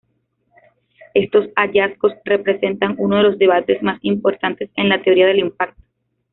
Estos hallazgos representan uno de los debates más importantes en la teoría del impacto.